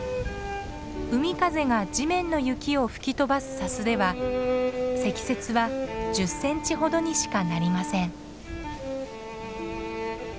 海風が地面の雪を吹き飛ばす砂州では積雪は１０センチほどにしかなりません。